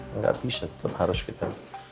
enggak bisa tuh harus kita